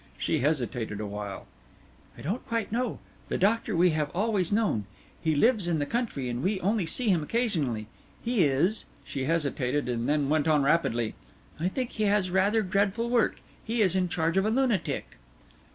She hesitated awhile. "I don't quite know. The doctor we have always known. He lives in the country, and we only see him occasionally. He is " She hesitated and then went on rapidly: "I think he has rather dreadful work. He is in charge of a lunatic."